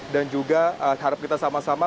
dan juga harap kita sama sama